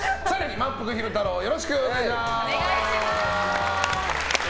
まんぷく昼太郎よろしくお願いします。